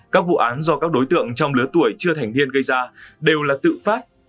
các vụ án do các đối tượng trong lứa tuổi chưa thành niên gây ra đều là tự phát